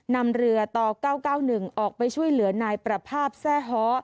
นำเรือต่อ๙๙๑ออกไปช่วยเหลือนายประภาพแทร่ฮ้อ